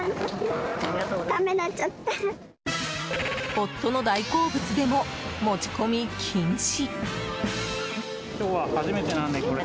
夫の大好物でも持ち込み禁止。